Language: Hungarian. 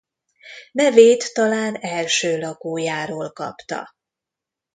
Nevét talán első lakójáról kapta.